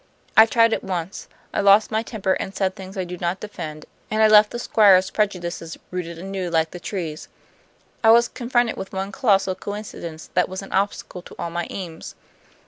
I tried it once; I lost my temper, and said things I do not defend; and I left the Squire's prejudices rooted anew, like the trees. I was confronted with one colossal coincidence that was an obstacle to all my aims.